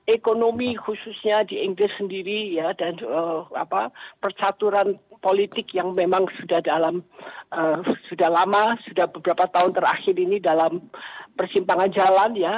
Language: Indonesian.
ekonomi khususnya di inggris sendiri dan percaturan politik yang memang sudah dalam sudah lama sudah beberapa tahun terakhir ini dalam persimpangan jalan ya